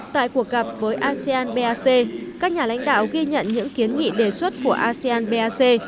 tại cuộc gặp với asean bac các nhà lãnh đạo ghi nhận những kiến nghị đề xuất của asean bac